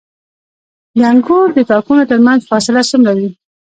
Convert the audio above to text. د انګورو د تاکونو ترمنځ فاصله څومره وي؟